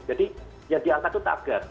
jadi yang diangkat itu tagar